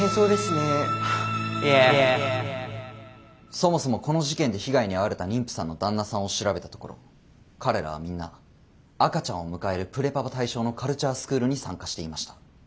そもそもこの事件で被害に遭われた妊婦さんの旦那さんを調べたところ彼らはみんな赤ちゃんを迎えるプレパパ対象のカルチャースクールに参加していました。